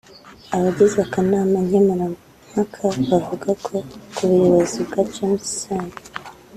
Abagize akanama nkemurampaka bavuga ko ku buyobozi bwa James Sano